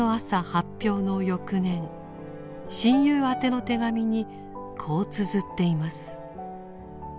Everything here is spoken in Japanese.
発表の翌年親友宛ての手紙にこうつづっています。